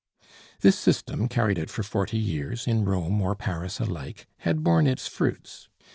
This system, carried out for forty years, in Rome or Paris alike, had borne its fruits.